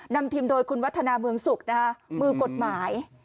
นำทีมโดยคุณวัฒนาเมืองสุขมือกฎหมาย